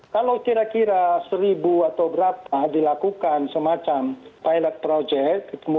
kalau kira kira seribu atau berapa dilakukan semacam pilot project